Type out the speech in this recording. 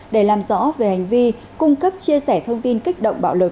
để làm rõ về hành vi cung cấp chia sẻ thông tin kích động bạo lực